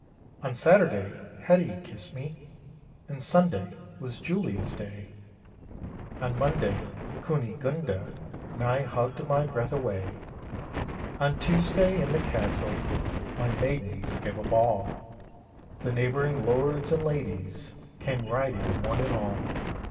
On Saturday Hetty kissed me, And Sunday was Julia's day; On Monday Kunigunda Nigh hugged my breath away. On Tuesday, in the castle, My maidens gave a ball. The neighboring lords and ladies Came riding one and all.